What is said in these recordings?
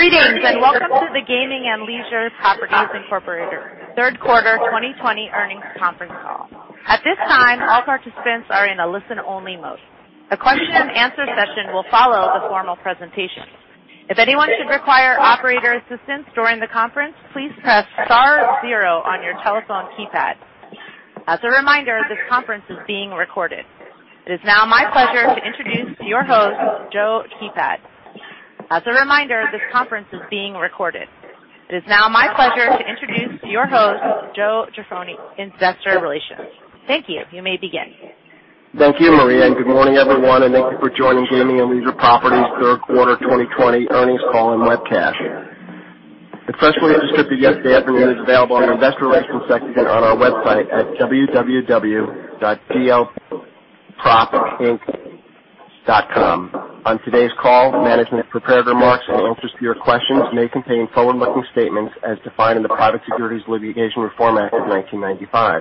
Greetings and welcome to the Gaming and Leisure Properties Incorporated third quarter 2020 earnings conference call. At this time, all participants are in a listen-only mode. A question-and-answer session will follow the formal presentation. If anyone should require operator assistance during the conference, please press star zero on your telephone keypad. As a reminder, this conference is being recorded. It is now my pleasure to introduce your host, Joe Jaffoni. As a reminder, this conference is being recorded. It is now my pleasure to introduce your host, Joe Jaffoni, investor relations. Thank you. You may begin. Thank you, Maria, and good morning, everyone, and thank you for joining Gaming and Leisure Properties third quarter 2020 earnings call and webcast. The press release issued yesterday afternoon is available on the investor relations section on our website at www.glpropinc.com. On today's call, management's prepared remarks in answer to your questions may contain forward-looking statements as defined in the Private Securities Litigation Reform Act of 1995.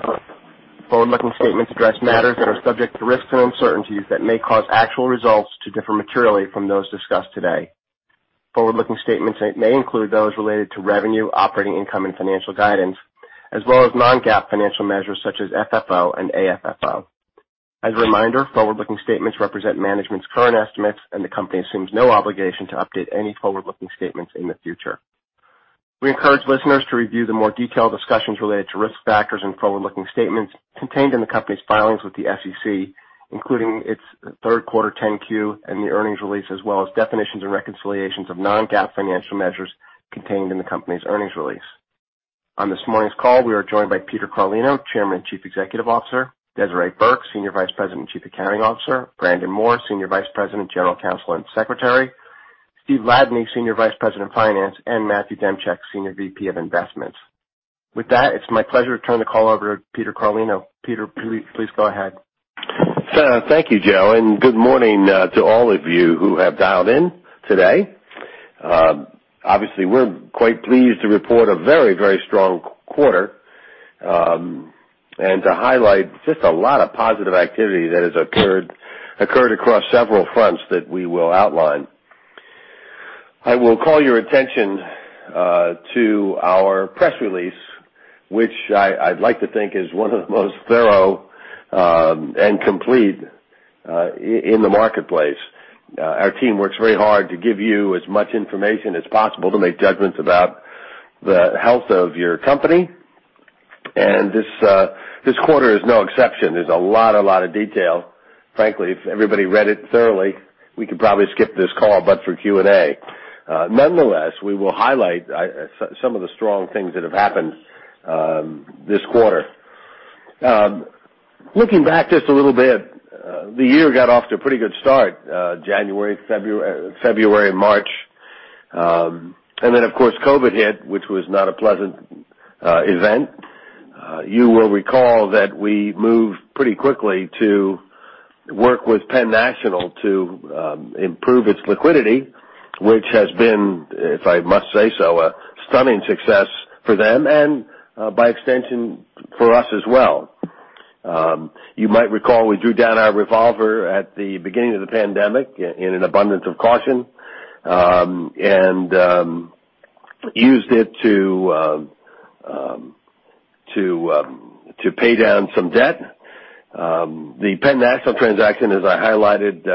Forward-looking statements address matters that are subject to risks and uncertainties that may cause actual results to differ materially from those discussed today. Forward-looking statements may include those related to revenue, operating income, and financial guidance, as well as non-GAAP financial measures such as FFO and AFFO. As a reminder, forward-looking statements represent management's current estimates, and the company assumes no obligation to update any forward-looking statements in the future. We encourage listeners to review the more detailed discussions related to risk factors and forward-looking statements contained in the company's filings with the SEC, including its third quarter 10-Q and the earnings release, as well as definitions and reconciliations of non-GAAP financial measures contained in the company's earnings release. On this morning's call, we are joined by Peter Carlino, Chairman and Chief Executive Officer, Desiree Burke, Senior Vice President and Chief Accounting Officer, Brandon Moore, Senior Vice President, General Counsel and Secretary, Steve Ladany, Senior Vice President of Finance, and Matthew Demchyk, Senior Vice President of Investments. With that, it's my pleasure to turn the call over to Peter Carlino. Peter, please go ahead. Thank you, Joe. Good morning to all of you who have dialed in today. Obviously, we're quite pleased to report a very strong quarter and to highlight just a lot of positive activity that has occurred across several fronts that we will outline. I will call your attention to our press release, which I'd like to think is one of the most thorough and complete in the marketplace. Our team works very hard to give you as much information as possible to make judgments about the health of your company. This quarter is no exception. There's a lot of detail. Frankly, if everybody read it thoroughly, we could probably skip this call, but for Q&A. Nonetheless, we will highlight some of the strong things that have happened this quarter. Looking back just a little bit, the year got off to a pretty good start January, February, March. Of course, COVID hit, which was not a pleasant event. You will recall that we moved pretty quickly to work with PENN National to improve its liquidity, which has been, if I must say so, a stunning success for them and, by extension, for us as well. You might recall we drew down our revolver at the beginning of the pandemic in an abundance of caution, and used it to pay down some debt. The PENN National transaction, as I highlighted,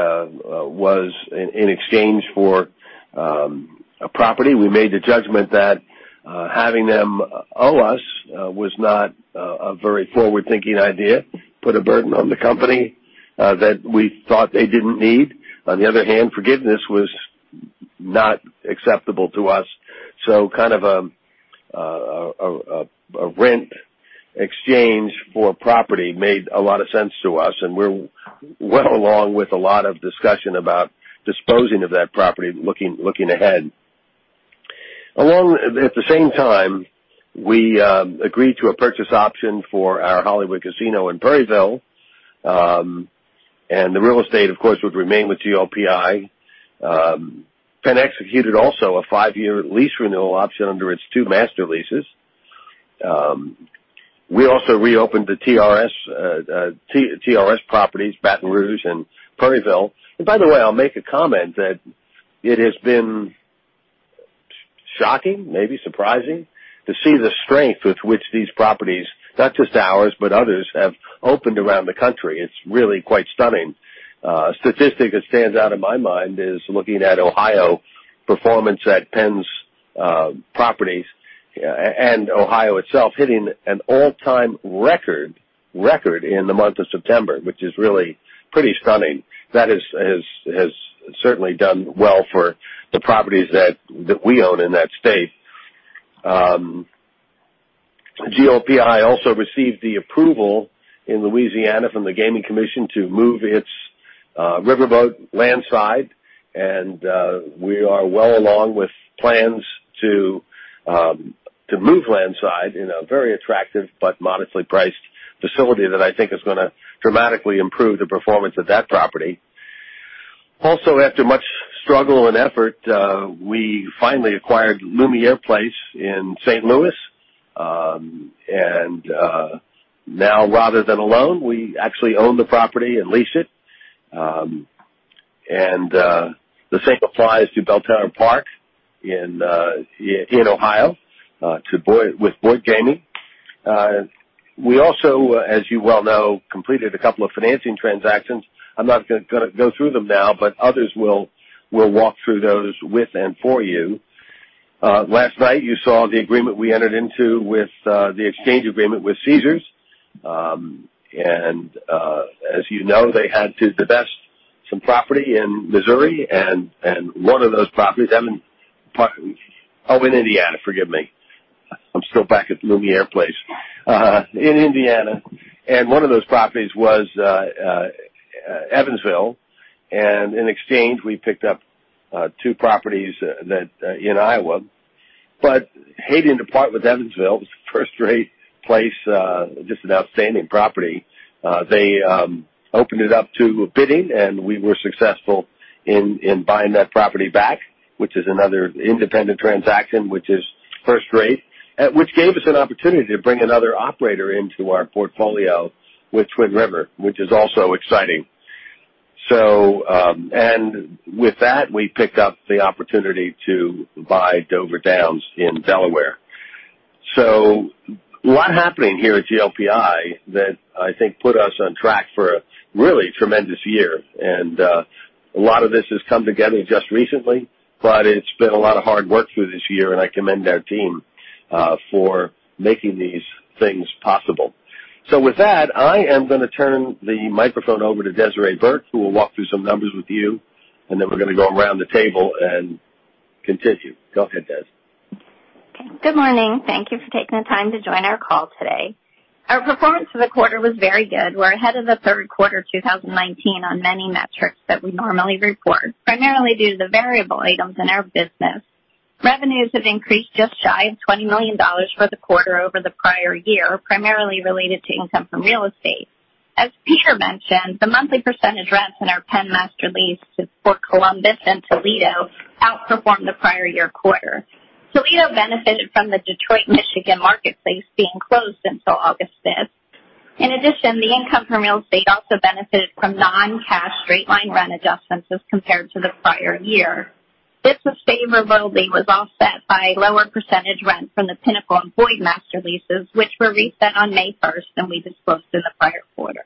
was in exchange for a property. We made the judgment that having them owe us was not a very forward-thinking idea. Put a burden on the company that we thought they didn't need. On the other hand, forgiveness was not acceptable to us, so kind of a rent exchange for property made a lot of sense to us, and we're well along with a lot of discussion about disposing of that property looking ahead. At the same time, we agreed to a purchase option for our Hollywood Casino in Perryville. The real estate, of course, would remain with GLPI. PENN executed also a five-year lease renewal option under its two master leases. We also reopened the TRS properties, Baton Rouge and Perryville. By the way, I'll make a comment that it has been shocking, maybe surprising, to see the strength with which these properties, not just ours, but others, have opened around the country. It's really quite stunning. A statistic that stands out in my mind is looking at Ohio performance at PENN's properties and Ohio itself hitting an all-time record in the month of September, which is really pretty stunning. That has certainly done well for the properties that we own in that state. GLPI also received the approval in Louisiana from the Gaming Commission to move its riverboat landside, and we are well along with plans to move landside in a very attractive but modestly priced facility that I think is going to dramatically improve the performance of that property. After much struggle and effort, we finally acquired Lumière Place in St. Louis. Now rather than a loan, we actually own the property and lease it. The same applies to Belterra Park in Ohio, with Boyd Gaming. We also, as you well know, completed a couple of financing transactions. I'm not going to go through them now, but others will walk through those with and for you. Last night, you saw the agreement we entered into, the exchange agreement with Caesars. As you know, they had to divest some property in Missouri and one of those properties. Oh, in Indiana, forgive me. I'm still back at Lumière Place. In Indiana. One of those properties was Evansville, and in exchange, we picked up two properties in Iowa. Hating to part with Evansville, it was a first-rate place, just an outstanding property, they opened it up to bidding and we were successful in buying that property back, which is another independent transaction, which is first rate, which gave us an opportunity to bring another operator into our portfolio with Twin River, which is also exciting. With that, we picked up the opportunity to buy Dover Downs in Delaware. A lot happening here at GLPI that I think put us on track for a really tremendous year. A lot of this has come together just recently, but it's been a lot of hard work through this year, and I commend our team for making these things possible. With that, I am going to turn the microphone over to Desiree Burke, who will walk through some numbers with you, and then we're going to go around the table and continue. Go ahead, Des. Okay. Good morning. Thank you for taking the time to join our call today. Our performance for the quarter was very good. We're ahead of the third quarter 2019 on many metrics that we normally report, primarily due to the variable items in our business. Revenues have increased just shy of $20 million for the quarter over the prior year, primarily related to income from real estate. As Peter mentioned, the monthly percentage rents in our PENN Master Lease for Columbus and Toledo outperformed the prior year quarter. Toledo benefited from the Detroit, Michigan marketplace being closed until August 5th. In addition, the income from real estate also benefited from non-cash straight-line rent adjustments as compared to the prior year. This favorably was offset by lower percentage rent from the Pinnacle and Boyd master leases, which were reset on May 1st. We disclosed in the prior quarter.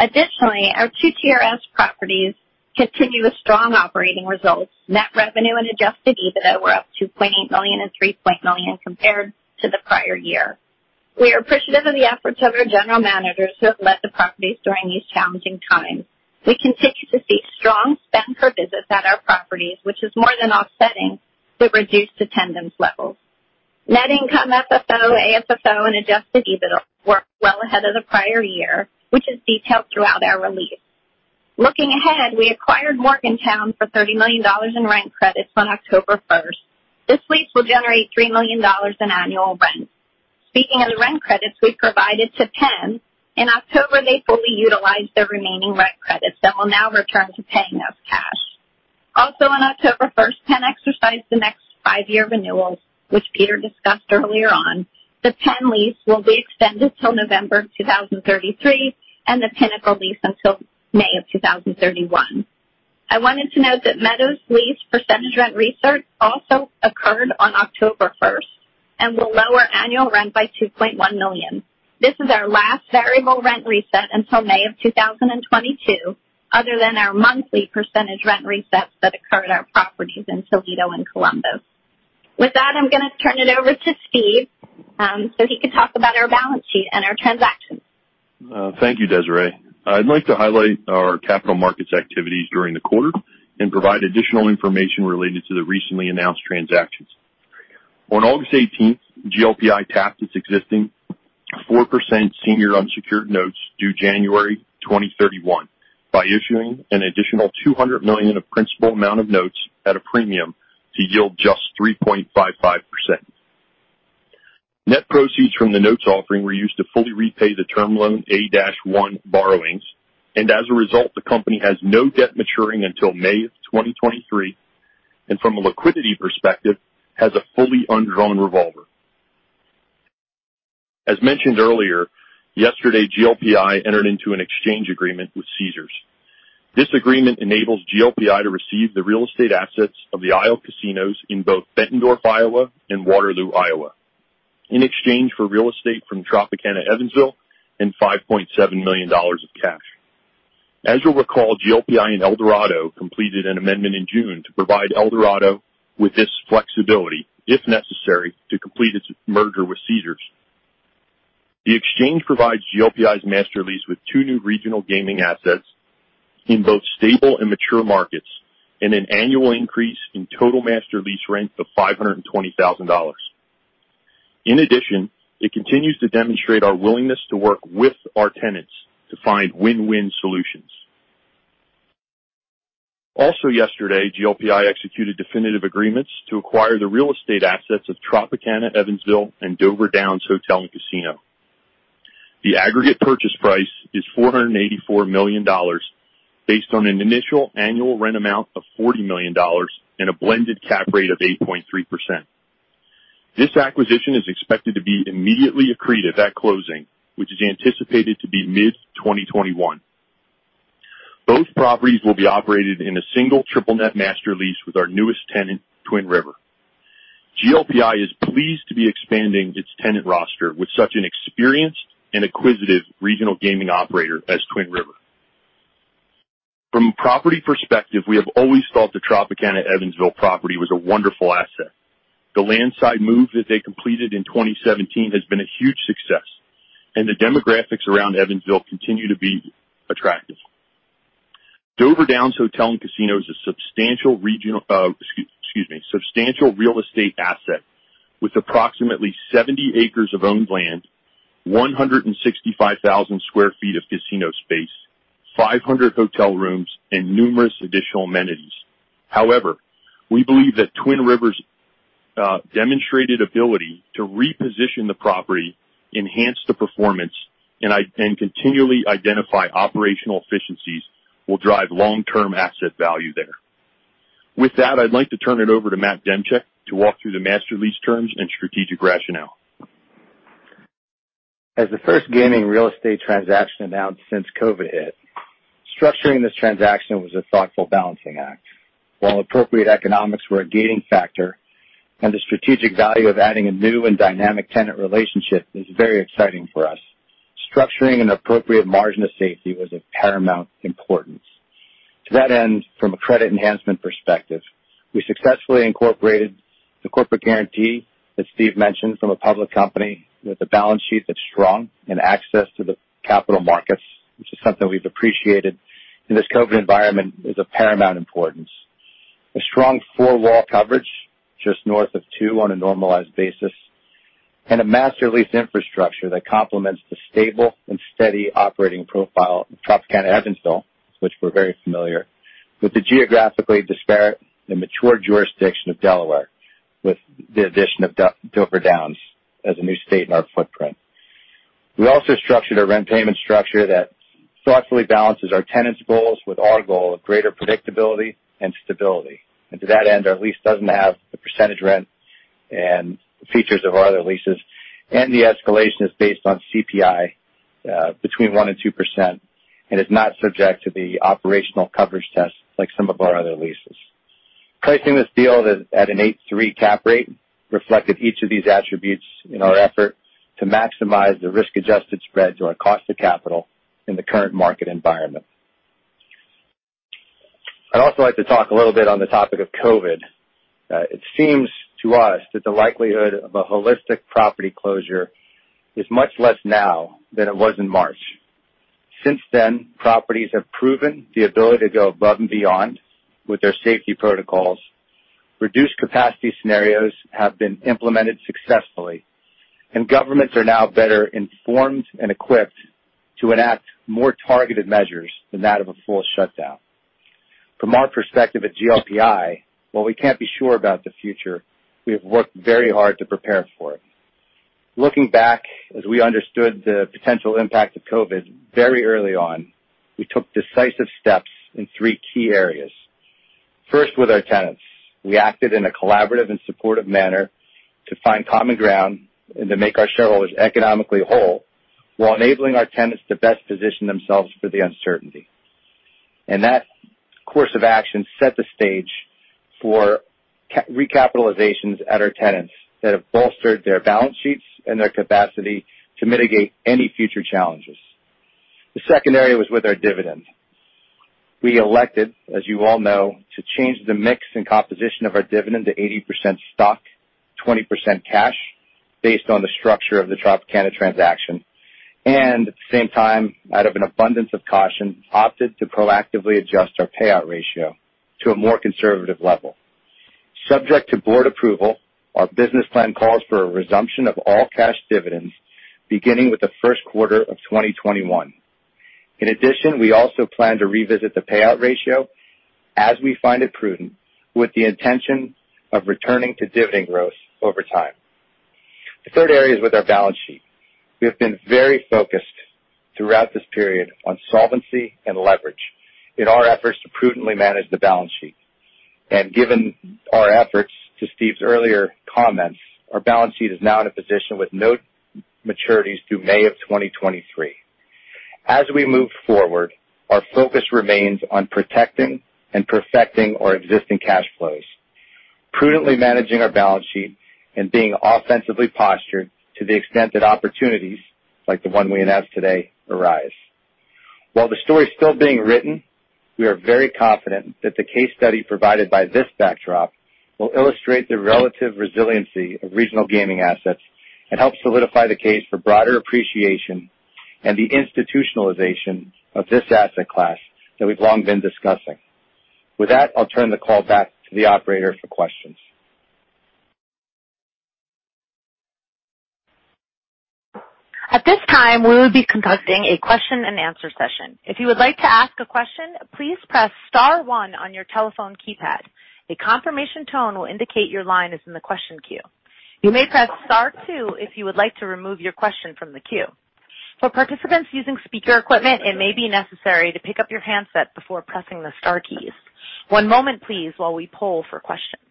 Additionally, our two TRS properties continue with strong operating results. Net revenue and adjusted EBITDA were up $2.8 million and $3.0 million compared to the prior year. We are appreciative of the efforts of our general managers who have led the properties during these challenging times. We continue to see strong spend per visit at our properties, which is more than offsetting the reduced attendance levels. Net income, FFO, AFFO, and adjusted EBITDA were well ahead of the prior year, which is detailed throughout our release. Looking ahead, we acquired Morgantown for $30 million in rent credits on October 1st. This lease will generate $3 million in annual rent. Speaking of the rent credits we provided to PENN, in October, they fully utilized their remaining rent credits that will now return to paying us cash. On October 1st, PENN exercised the next five-year renewals, which Peter discussed earlier on. The PENN lease will be extended till November 2033 and the Pinnacle lease until May of 2031. I wanted to note that Meadows' lease percentage rent reset also occurred on October 1st and will lower annual rent by $2.1 million. This is our last variable rent reset until May of 2022, other than our monthly percentage rent resets that occur at our properties in Toledo and Columbus. I'm going to turn it over to Steve so he could talk about our balance sheet and our transactions. Thank you, Desiree. I'd like to highlight our capital markets activities during the quarter and provide additional information related to the recently announced transactions. On August 18th, GLPI tapped its existing 4% senior unsecured notes due January 2031 by issuing an additional $200 million of principal amount of notes at a premium to yield just 3.55%. Net proceeds from the notes offering were used to fully repay the term loan A-1 borrowings. As a result, the company has no debt maturing until May of 2023, and from a liquidity perspective, has a fully undrawn revolver. As mentioned earlier, yesterday GLPI entered into an exchange agreement with Caesars. This agreement enables GLPI to receive the real estate assets of the Iowa casinos in both Bettendorf, Iowa and Waterloo, Iowa in exchange for real estate from Tropicana Evansville and $5.7 million of cash. As you'll recall, GLPI and Eldorado completed an amendment in June to provide Eldorado with this flexibility, if necessary, to complete its merger with Caesars. The exchange provides GLPI's master lease with two new regional gaming assets in both stable and mature markets and an annual increase in total master lease rent of $520,000. In addition, it continues to demonstrate our willingness to work with our tenants to find win-win solutions. Yesterday, GLPI executed definitive agreements to acquire the real estate assets of Tropicana Evansville and Dover Downs Hotel and Casino. The aggregate purchase price is $484 million based on an initial annual rent amount of $40 million and a blended cap rate of 8.3%. This acquisition is expected to be immediately accretive at closing, which is anticipated to be mid-2021. Both properties will be operated in a single triple net master lease with our newest tenant, Twin River. GLPI is pleased to be expanding its tenant roster with such an experienced and acquisitive regional gaming operator as Twin River. From a property perspective, we have always thought the Tropicana Evansville property was a wonderful asset. The landside move that they completed in 2017 has been a huge success, and the demographics around Evansville continue to be attractive. Dover Downs Hotel and Casino is a substantial real estate asset with approximately 70 acres of owned land, 165,000 sq ft of casino space, 500 hotel rooms, and numerous additional amenities. However, we believe that Twin River's demonstrated ability to reposition the property, enhance the performance, and continually identify operational efficiencies will drive long-term asset value there. With that, I'd like to turn it over to Matt Demchyk to walk through the master lease terms and strategic rationale. As the first gaming real estate transaction announced since COVID hit, structuring this transaction was a thoughtful balancing act. While appropriate economics were a gating factor and the strategic value of adding a new and dynamic tenant relationship is very exciting for us, structuring an appropriate margin of safety was of paramount importance. To that end, from a credit enhancement perspective, we successfully incorporated the corporate guarantee that Steve mentioned from a public company with a balance sheet that's strong and access to the capital markets, which is something we've appreciated in this COVID environment is of paramount importance. A strong four-wall coverage, just north of two on a normalized basis, and a master lease infrastructure that complements the stable and steady operating profile of Tropicana Evansville, which we're very familiar, with the geographically disparate and mature jurisdiction of Delaware, with the addition of Dover Downs as a new state in our footprint. We also structured a rent payment structure that thoughtfully balances our tenants' goals with our goal of greater predictability and stability. To that end, our lease doesn't have the percentage rent and features of our other leases. The escalation is based on CPI, between 1% and 2%, and is not subject to the operational coverage test like some of our other leases. Pricing this deal at an 8.3% cap rate reflected each of these attributes in our effort to maximize the risk-adjusted spread to our cost of capital in the current market environment. I'd also like to talk a little bit on the topic of COVID. It seems to us that the likelihood of a holistic property closure is much less now than it was in March. Since then, properties have proven the ability to go above and beyond with their safety protocols. Reduced capacity scenarios have been implemented successfully. Governments are now better informed and equipped to enact more targeted measures than that of a full shutdown. From our perspective at GLPI, while we can't be sure about the future, we have worked very hard to prepare for it. Looking back, as we understood the potential impact of COVID very early on, we took decisive steps in three key areas. First, with our tenants. We acted in a collaborative and supportive manner to find common ground and to make our shareholders economically whole, while enabling our tenants to best position themselves for the uncertainty. That course of action set the stage for recapitalizations at our tenants that have bolstered their balance sheets and their capacity to mitigate any future challenges. The second area was with our dividend. We elected, as you all know, to change the mix and composition of our dividend to 80% stock, 20% cash, based on the structure of the Tropicana transaction, and at the same time, out of an abundance of caution, opted to proactively adjust our payout ratio to a more conservative level. Subject to board approval, our business plan calls for a resumption of all cash dividends beginning with the first quarter of 2021. In addition, we also plan to revisit the payout ratio as we find it prudent with the intention of returning to dividend growth over time. The third area is with our balance sheet. We have been very focused throughout this period on solvency and leverage in our efforts to prudently manage the balance sheet. Given our efforts to Steve's earlier comments, our balance sheet is now in a position with no maturities through May of 2023. As we move forward, our focus remains on protecting and perfecting our existing cash flows, prudently managing our balance sheet, and being offensively postured to the extent that opportunities like the one we announced today arise. While the story is still being written, we are very confident that the case study provided by this backdrop will illustrate the relative resiliency of regional gaming assets and help solidify the case for broader appreciation and the institutionalization of this asset class that we've long been discussing. With that, I'll turn the call back to the operator for questions. At this time, we will be conducting a question and answer session. If you would like to ask a question, please press star one on your telephone keypad. A confirmation tone will indicate your line is in the question queue. You may press star two if you would like to remove your question from the queue. For participants using speaker equipment, it may be necessary to pick up your handset before pressing the star keys. One moment please while we poll for questions.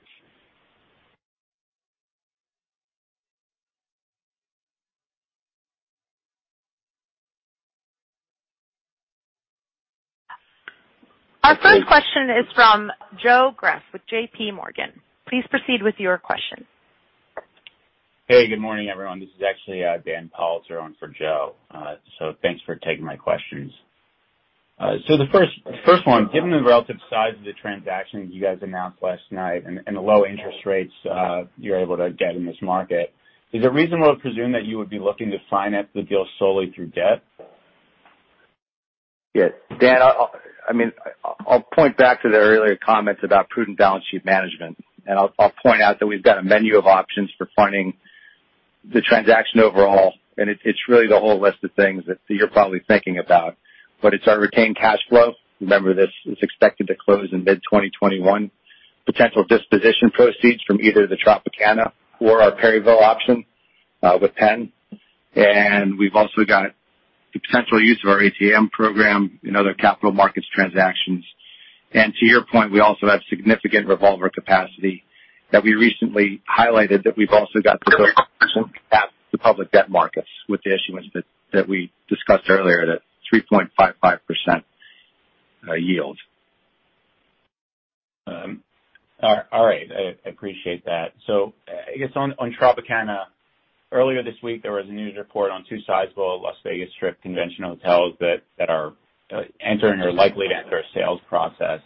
Our first question is from Joe Greff with JPMorgan. Please proceed with your question. Hey, good morning, everyone. This is actually Dan Politzer on for Joe. Thanks for taking my questions. The first one, given the relative size of the transaction that you guys announced last night and the low interest rates you're able to get in this market, is it reasonable to presume that you would be looking to finance the deal solely through debt? Yes. Dan, I'll point back to the earlier comments about prudent balance sheet management. I'll point out that we've got a menu of options for funding the transaction overall. It's really the whole list of things that you're probably thinking about. It's our retained cash flow. Remember, this is expected to close in mid-2021. Potential disposition proceeds from either the Tropicana or our Perryville option, with PENN. We've also got the potential use of our ATM program in other capital markets transactions. To your point, we also have significant revolver capacity that we recently highlighted that we've also got the public debt markets with the issuance that we discussed earlier, that 3.55% yield. All right. I appreciate that. I guess on Tropicana, earlier this week, there was a news report on two sizable Las Vegas Strip convention hotels that are entering or likely to enter a sales process.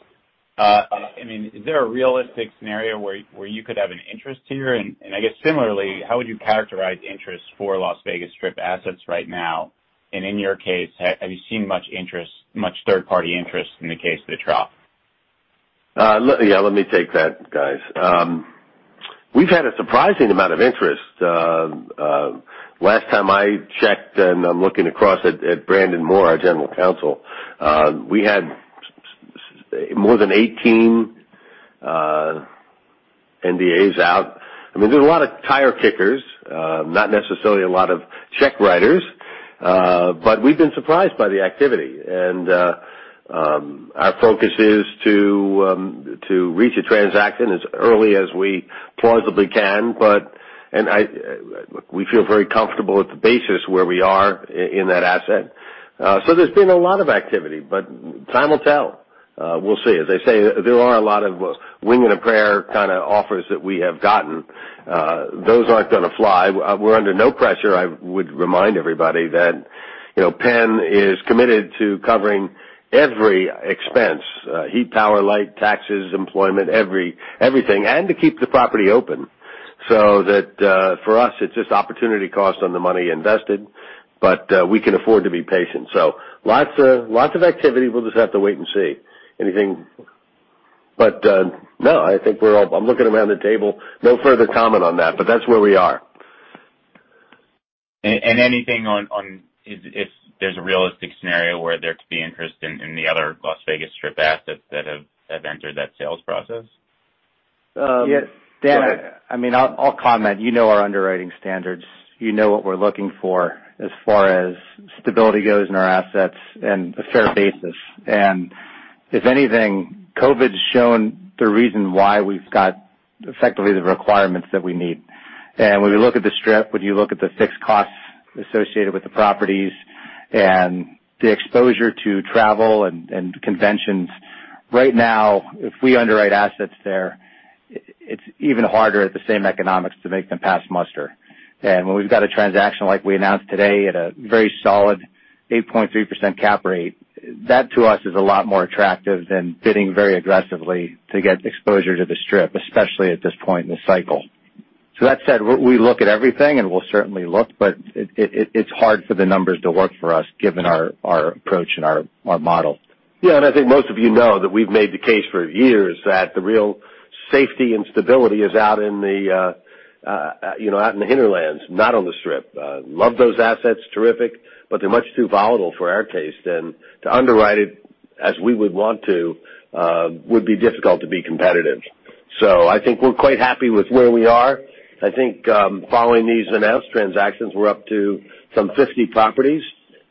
Is there a realistic scenario where you could have an interest here? I guess similarly, how would you characterize interest for Las Vegas Strip assets right now? In your case, have you seen much third-party interest in the case of the Trop? Yeah, let me take that, guys. We've had a surprising amount of interest. Last time I checked, and I'm looking across at Brandon Moore, our General Counsel, we had more than 18 NDAs out. There's a lot of tire kickers, not necessarily a lot of check writers but we've been surprised by the activity. Our focus is to reach a transaction as early as we plausibly can, and we feel very comfortable at the basis where we are in that asset. There's been a lot of activity, but time will tell. We'll see. As I say, there are a lot of wing and a prayer kind of offers that we have gotten. Those aren't going to fly. We're under no pressure. I would remind everybody that PENN is committed to covering every expense heat, power, light, taxes, employment, everything, and to keep the property open. That for us, it's just opportunity cost on the money invested, we can afford to be patient. Lots of activity. We'll just have to wait and see. No, I'm looking around the table. No further comment on that's where we are. Anything on if there's a realistic scenario where there could be interest in the other Las Vegas Strip assets that have entered that sales process? Yes. Dan, I'll comment. You know our underwriting standards. You know what we're looking for as far as stability goes in our assets and a fair basis. If anything, COVID's shown the reason why we've got effectively the requirements that we need. When you look at the Strip, when you look at the fixed costs associated with the properties and the exposure to travel and conventions, right now, if we underwrite assets there, it's even harder at the same economics to make them pass muster. When we've got a transaction like we announced today at a very solid 8.3% cap rate, that to us is a lot more attractive than bidding very aggressively to get exposure to the Strip, especially at this point in the cycle. That said, we look at everything, and we'll certainly look, but it's hard for the numbers to work for us given our approach and our model. I think most of you know that we've made the case for years that the real safety and stability is out in the hinterlands, not on the Strip. Love those assets, terrific, but they're much too volatile for our taste. To underwrite it as we would want to would be difficult to be competitive. I think we're quite happy with where we are. I think following these announced transactions, we're up to some 50 properties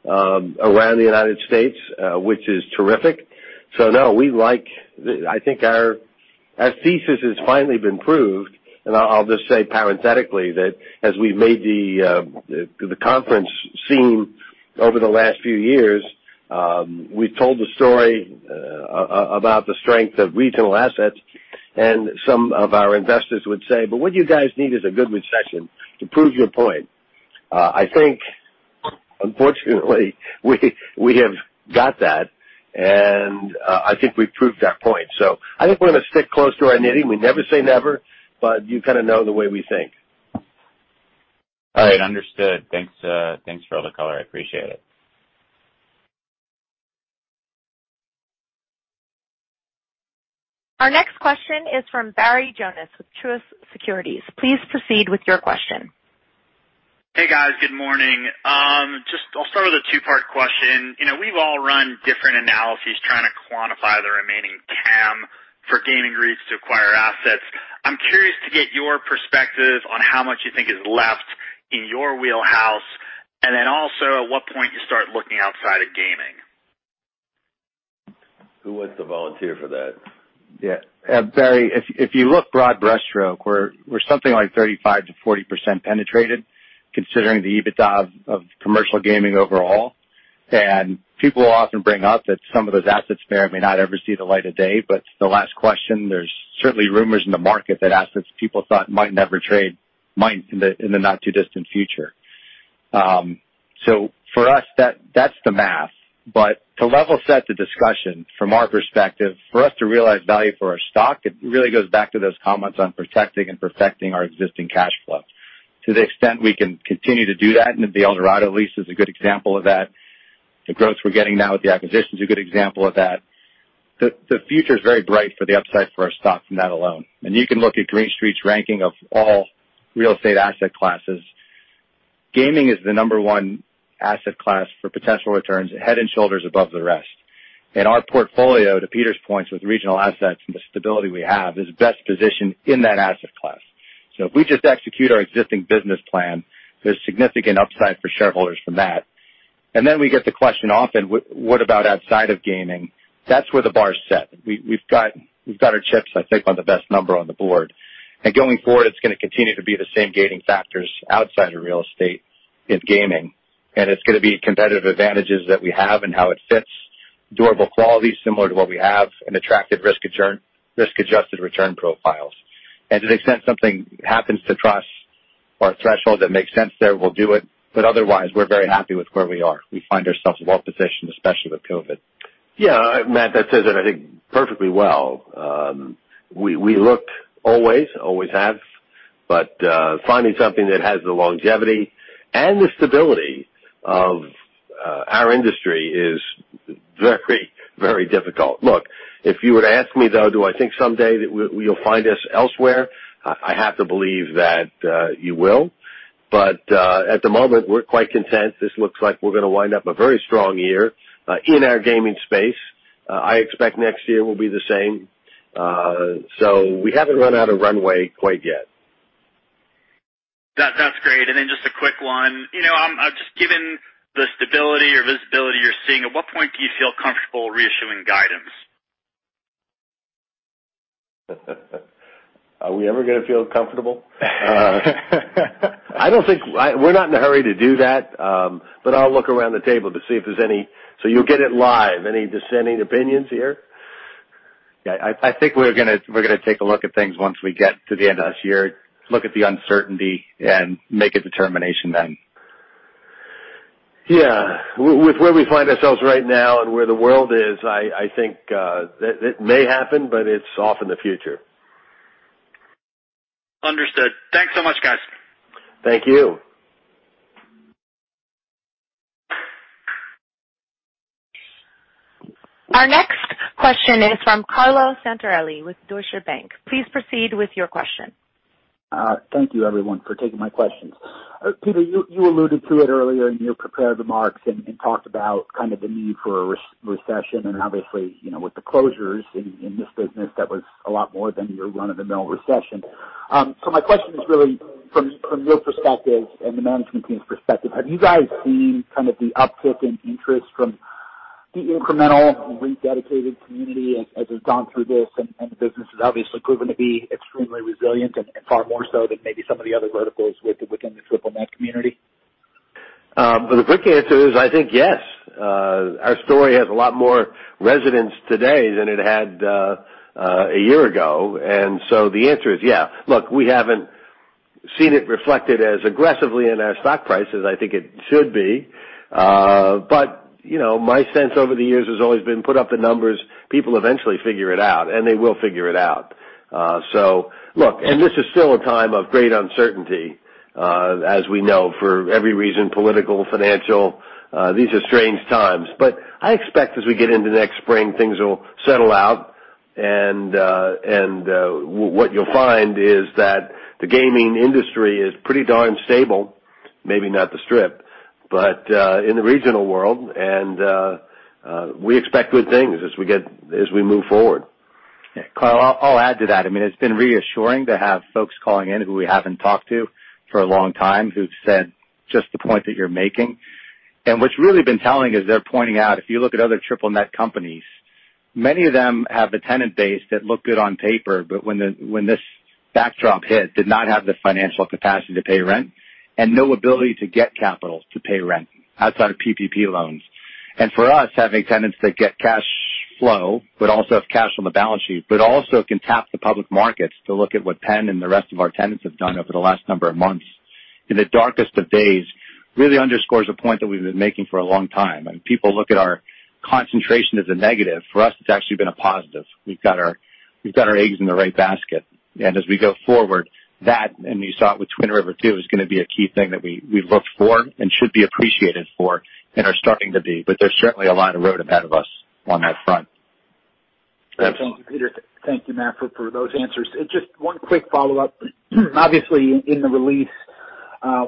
around the U.S., which is terrific. No, I think our thesis has finally been proved, and I'll just say parenthetically that as we've made the conference scene over the last few years, we've told the story about the strength of regional assets, and some of our investors would say, "But what you guys need is a good recession to prove your point." I think unfortunately, we have got that, and I think we've proved that point. I think we're going to stick close to our knitting. We never say never, but you kind of know the way we think. All right. Understood. Thanks for all the color. I appreciate it. Our next question is from Barry Jonas with Truist Securities. Please proceed with your question. Hey guys, good morning. I'll start with a two-part question. We've all run different analyses trying to quantify the remaining TAM for gaming REITs to acquire assets. I'm curious to get your perspective on how much you think is left in your wheelhouse, and then also at what point you start looking outside of gaming. Who wants to volunteer for that? Yeah. Barry, if you look broad brush stroke, we're something like 35%-40% penetrated considering the EBITDA of commercial gaming overall. People often bring up that some of those assets may or may not ever see the light of day, but to the last question, there's certainly rumors in the market that assets people thought might never trade might in the not too distant future. For us, that's the math. To level set the discussion from our perspective, for us to realize value for our stock, it really goes back to those comments on protecting and perfecting our existing cash flow. To the extent we can continue to do that, and the Eldorado Resorts lease is a good example of that. The growth we're getting now with the acquisition's a good example of that. The future's very bright for the upside for our stock from that alone. You can look at Green Street's ranking of all real estate asset classes. Gaming is the number one asset class for potential returns, head and shoulders above the rest. Our portfolio, to Peter's points with regional assets and the stability we have, is best positioned in that asset class. If we just execute our existing business plan, there's significant upside for shareholders from that. Then we get the question often, what about outside of gaming? That's where the bar is set. We've got our chips, I think, on the best number on the board. Going forward, it's going to continue to be the same gating factors outside of real estate in gaming, and it's going to be competitive advantages that we have and how it fits durable quality similar to what we have and attractive risk-adjusted return profiles. To the extent something happens to trust our threshold that makes sense there, we'll do it, but otherwise we're very happy with where we are. We find ourselves well-positioned, especially with COVID. Yeah, Matt, that says it I think perfectly well. We look always have, finding something that has the longevity and the stability of our industry is very difficult. Look, if you were to ask me though, do I think someday that you'll find us elsewhere? I have to believe that you will. At the moment we're quite content. This looks like we're going to wind up a very strong year in our gaming space. I expect next year will be the same. We haven't run out of runway quite yet. That's great. Just a quick one. Just given the stability or visibility you're seeing, at what point do you feel comfortable reissuing guidance? Are we ever going to feel comfortable? We're not in a hurry to do that. I'll look around the table to see if there's any dissenting opinions here? You'll get it live. I think we're going to take a look at things once we get to the end of this year, look at the uncertainty and make a determination then. Yeah. With where we find ourselves right now and where the world is, I think it may happen, but it's off in the future. Understood. Thanks so much, guys. Thank you. Our next question is from Carlo Santarelli with Deutsche Bank. Please proceed with your question. Thank you everyone for taking my questions. Peter, you alluded to it earlier in your prepared remarks and talked about kind of the need for a recession and obviously, with the closures in this business, that was a lot more than your run-of-the-mill recession. My question is really from your perspective and the management team's perspective, have you guys seen kind of the uptick in interest from the incremental REIT-dedicated community as we've gone through this and the business has obviously proven to be extremely resilient and far more so than maybe some of the other verticals within the triple net community? The quick answer is, I think yes. Our story has a lot more resonance today than it had a year ago. The answer is yes. Look, we haven't seen it reflected as aggressively in our stock price as I think it should be. My sense over the years has always been put up the numbers. People eventually figure it out, and they will figure it out. Look, this is still a time of great uncertainty, as we know, for every reason, political, financial. These are strange times. I expect as we get into next spring, things will settle out and what you'll find is that the gaming industry is pretty darn stable, maybe not the Strip, but in the regional world. We expect good things as we move forward. Yeah. Carlo, I'll add to that. It's been reassuring to have folks calling in who we haven't talked to for a long time who've said just the point that you're making. What's really been telling is they're pointing out, if you look at other triple net companies, many of them have a tenant base that look good on paper, but when this backdrop hit, did not have the financial capacity to pay rent and no ability to get capital to pay rent outside of PPP loans. For us, having tenants that get cash flow, but also have cash on the balance sheet, but also can tap the public markets to look at what PENN and the rest of our tenants have done over the last number of months in the darkest of days really underscores a point that we've been making for a long time. People look at our concentration as a negative. For us, it's actually been a positive. We've got our eggs in the right basket. As we go forward, that, and you saw it with Twin River too, is going to be a key thing that we've looked for and should be appreciated for and are starting to be. There's certainly a lot of road ahead of us on that front. Thank you, Peter. Thank you, Matt, for those answers. Just one quick follow-up. Obviously, in the release,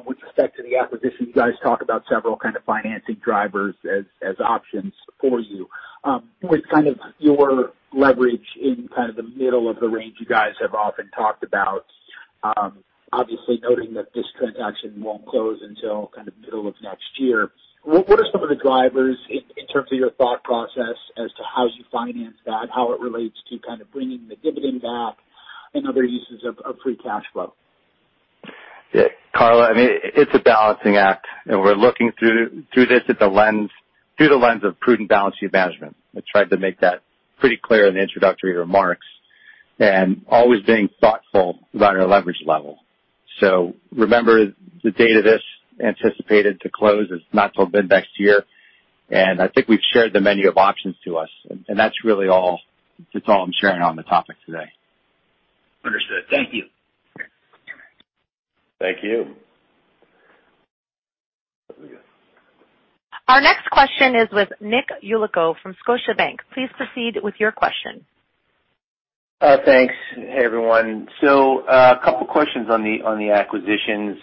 with respect to the acquisition, you guys talk about several kind of financing drivers as options for you. With kind of your leverage in kind of the middle of the range you guys have often talked about, obviously noting that this transaction won't close until kind of middle of next year, what are some of the drivers in terms of your thought process as to how you finance that, how it relates to kind of bringing the dividend back and other uses of free cash flow? Carlo, I mean, it's a balancing act. We're looking through this through the lens of prudent balancing management. I tried to make that pretty clear in the introductory remarks, always being thoughtful about our leverage level. Remember, the date of this anticipated to close is not till mid next year. I think we've shared the menu of options to us, that's really all. That's all I'm sharing on the topic today. Understood. Thank you. Thank you. Our next question is with Nick Yulico from Scotiabank. Please proceed with your question. Thanks. Hey, everyone. A couple questions on the acquisitions.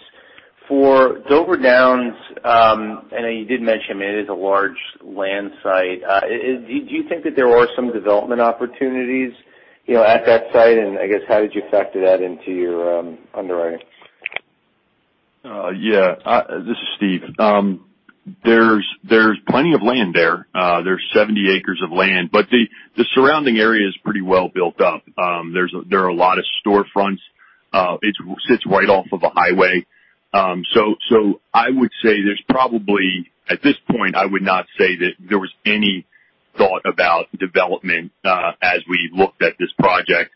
For Dover Downs, and I know you did mention it is a large land site. Do you think that there are some development opportunities at that site, and I guess how did you factor that into your underwriting? Yeah. This is Steve. There's plenty of land there. There's 70 acres of land. The surrounding area is pretty well built up. There are a lot of storefronts. It sits right off of a highway. I would say there's probably, at this point, I would not say that there was any thought about development, as we looked at this project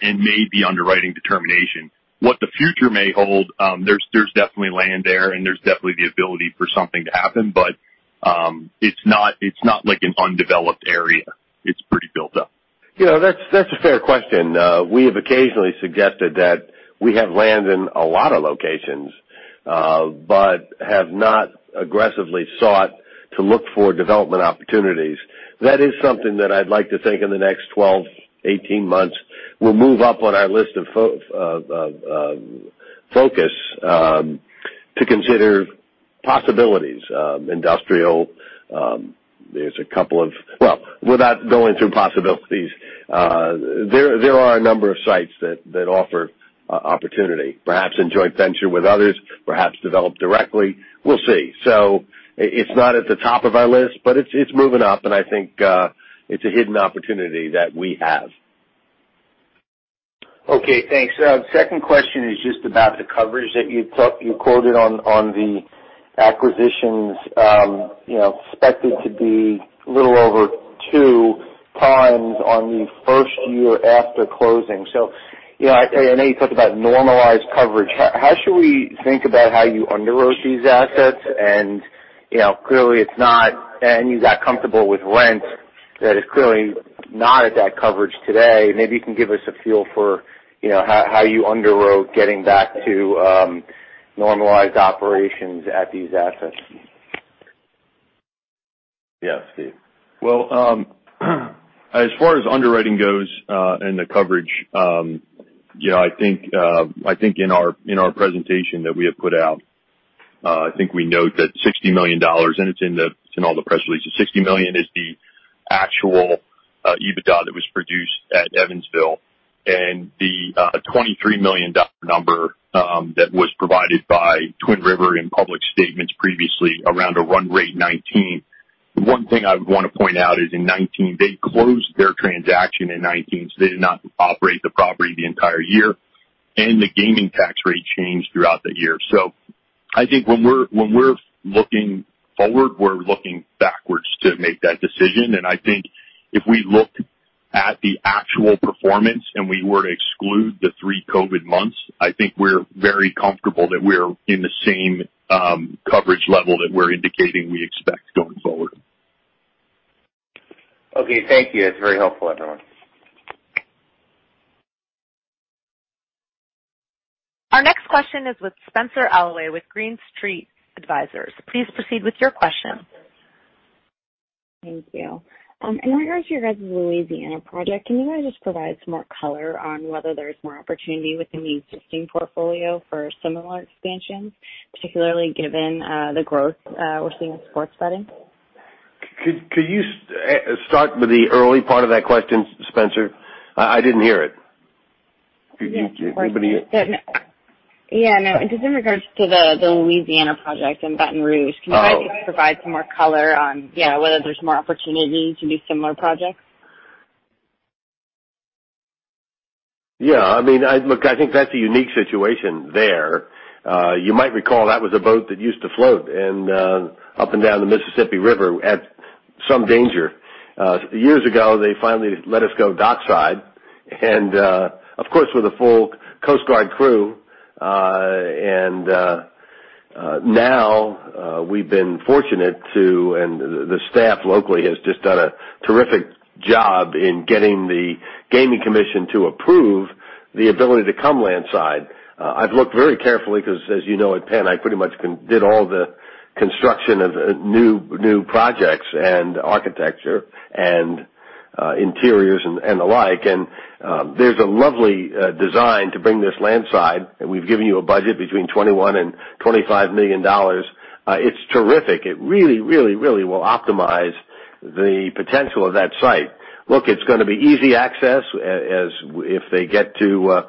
and made the underwriting determination. What the future may hold, there's definitely land there and there's definitely the ability for something to happen, but it's not like an undeveloped area. It's pretty built up. That's a fair question. We have occasionally suggested that we have land in a lot of locations, but have not aggressively sought to look for development opportunities. That is something that I'd like to think in the next 12, 18 months, will move up on our list of focus to consider possibilities. Industrial. There's a couple of well, without going through possibilities, there are a number of sites that offer opportunity, perhaps in joint venture with others, perhaps developed directly. We'll see. It's not at the top of our list, but it's moving up, and I think it's a hidden opportunity that we have. Okay, thanks. Second question is just about the coverage that you quoted on the acquisitions, expected to be a little over 2x on the first year after closing. I know you talked about normalized coverage. How should we think about how you underwrote these assets and you got comfortable with rent that is clearly not at that coverage today. Maybe you can give us a feel for how you underwrote getting back to normalized operations at these assets. Yeah. Steve. Well, as far as underwriting goes, and the coverage, I think in our presentation that we have put out, I think we note that $60 million, and it's in all the press releases, $60 million is the actual EBITDA that was produced at Evansville and the $23 million number that was provided by Twin River in public statements previously around a run rate 2019. The one thing I would want to point out is in 2019, they closed their transaction in 2019, so they did not operate the property the entire year, and the gaming tax rate changed throughout that year. I think when we're looking forward, we're looking backwards to make that decision, and I think if we looked at the actual performance and we were to exclude the three COVID months, I think we're very comfortable that we're in the same coverage level that we're indicating we expect going forward. Okay, thank you. That's very helpful, everyone. Our next question is with Spenser Allaway, with Green Street Advisors. Please proceed with your question. Thank you. In regards to your guys' Louisiana project, can you guys just provide some more color on whether there's more opportunity within the existing portfolio for similar expansions, particularly given the growth we're seeing in sports betting? Could you start with the early part of that question, Spenser? I didn't hear it. Yeah, no. Just in regards to the Louisiana project in Baton Rouge- Oh Can you guys just provide some more color on whether there's more opportunity to do similar projects? Yeah. Look, I think that's a unique situation there. You might recall that was a boat that used to float up and down the Mississippi River at some danger. Years ago, they finally let us go dockside. Of course, with a full Coast Guard crew. Now, we've been fortunate to, and the staff locally has just done a terrific job in getting the Gaming Commission to approve the ability to come landside. I've looked very carefully because as you know, at PENN, I pretty much did all the construction of new projects and architecture and interiors and the like. There's a lovely design to bring this land side, and we've given you a budget between $21 million and $25 million. It's terrific. It really, really, really will optimize the potential of that site. Look, it's going to be easy access if they get to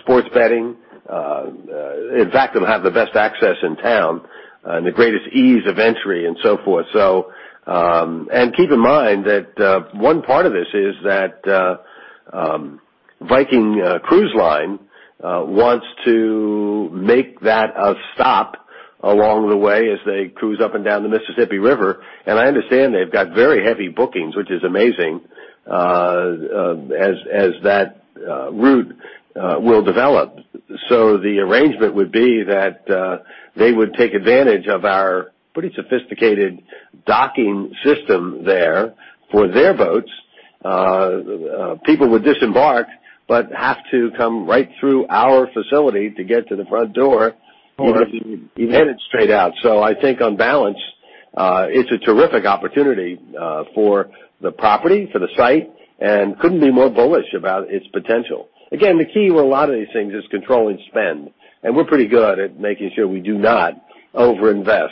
sports betting. In fact, they'll have the best access in town and the greatest ease of entry and so forth. Keep in mind that one part of this is that Viking River Cruises wants to make that a stop along the way as they cruise up and down the Mississippi River. I understand they've got very heavy bookings, which is amazing, as that route will develop. The arrangement would be that they would take advantage of our pretty sophisticated docking system there for their boats. People would disembark, but have to come right through our facility to get to the front door. Or- Even if you made it straight out. I think on balance, it's a terrific opportunity for the property, for the site, and couldn't be more bullish about its potential. Again, the key to a lot of these things is controlling spend, and we're pretty good at making sure we do not overinvest.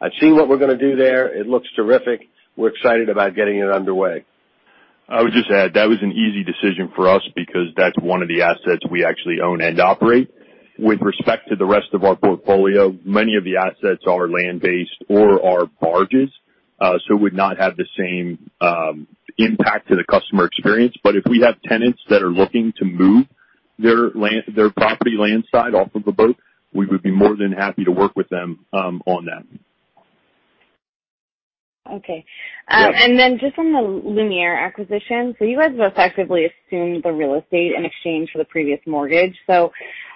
I've seen what we're going to do there. It looks terrific. We're excited about getting it underway. I would just add, that was an easy decision for us because that's one of the assets we actually own and operate. With respect to the rest of our portfolio, many of the assets are land-based or are barges, would not have the same impact to the customer experience. If we have tenants that are looking to move their property land side off of a boat, we would be more than happy to work with them on that. Okay. Yeah. Just on the Lumière acquisition. You guys have effectively assumed the real estate in exchange for the previous mortgage.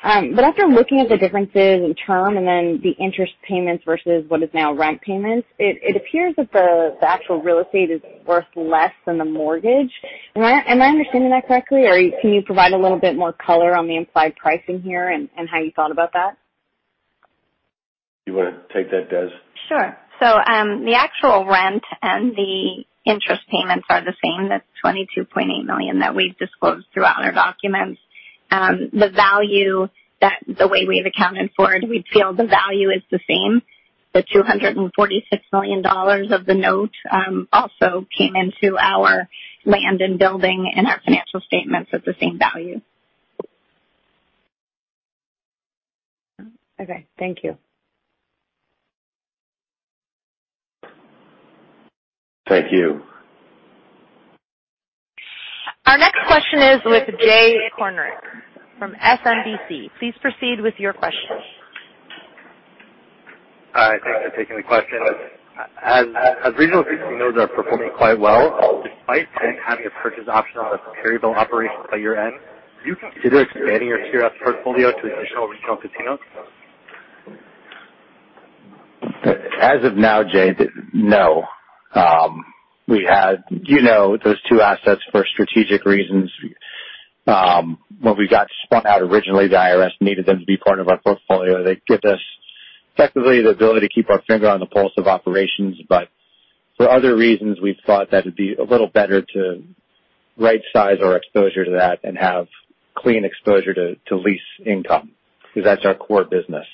After looking at the differences in term and then the interest payments versus what is now rent payments, it appears that the actual real estate is worth less than the mortgage. Am I understanding that correctly, or can you provide a little bit more color on the implied pricing here and how you thought about that? You want to take that, Des? Sure. The actual rent and the interest payments are the same. That's $22.8 million that we've disclosed throughout our documents. The value that the way we've accounted for it, we feel the value is the same. The $246 million of the note also came into our land and building and our financial statements at the same value. Okay. Thank you. Thank you. Our next question is with Jay Kornreich from SMBC. Please proceed with your question. Hi. Thanks for taking the question. As regional casinos are performing quite well, despite didn't have the purchase option on the Perryville operations at your end, do you consider expanding your TRS portfolio to additional regional casinos? As of now, Jay, no. You know those two assets for strategic reasons. When we got spun out originally, the IRS needed them to be part of our portfolio. They give us, effectively, the ability to keep our finger on the pulse of operations. For other reasons, we thought that it'd be a little better to right size our exposure to that and have clean exposure to lease income, because that's our core business.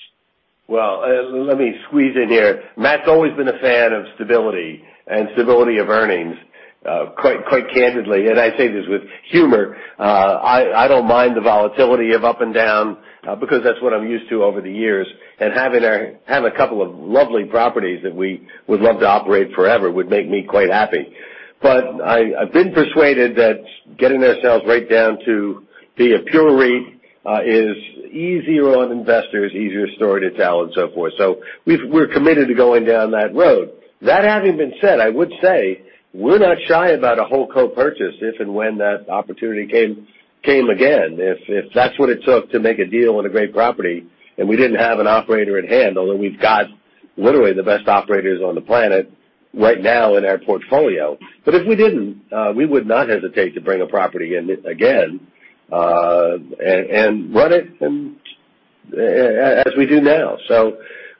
Well, let me squeeze in here. Matt's always been a fan of stability and stability of earnings, quite candidly, and I say this with humor. I don't mind the volatility of up and down because that's what I'm used to over the years. Having a couple of lovely properties that we would love to operate forever would make me quite happy. I've been persuaded that getting ourselves right down to be a pure REIT is easier on investors, easier story to tell and so forth. We're committed to going down that road. That having been said, I would say we're not shy about a WholeCo purchase if and when that opportunity came again. If that's what it took to make a deal on a great property and we didn't have an operator at hand, although we've got literally the best operators on the planet right now in our portfolio. If we didn't, we would not hesitate to bring a property in again and run it as we do now.